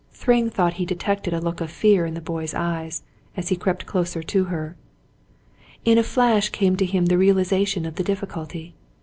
Thryng thought he detected a look of fear in the boy's eyes, as he crept closer to her. In a flash came to him the realization of the difficulty.